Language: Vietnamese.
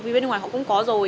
vì bên nước ngoài họ cũng có rồi